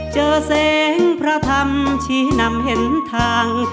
เจอแสงพระธรรมชี้นำเห็นทาง